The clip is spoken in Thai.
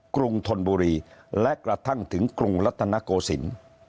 กรุงธนบุรีและกระทั่งถึงกรุงรัฐนโกศิลป์